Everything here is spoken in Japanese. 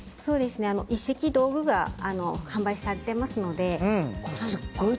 一式道具が販売されていますので。